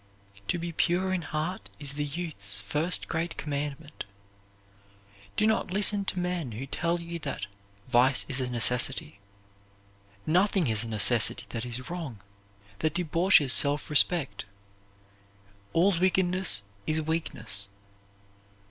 To be pure in heart is the youth's first great commandment. Do not listen to men who tell you that "vice is a necessity." Nothing is a necessity that is wrong, that debauches self respect. "All wickedness is weakness."